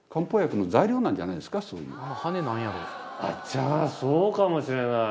じゃあそうかもしれない。